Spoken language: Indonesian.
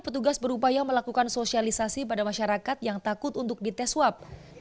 petugas berupaya melakukan sosialisasi pada masyarakat yang takut untuk dites swab